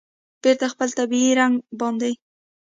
بېرته خپل طبیعي رنګ باندې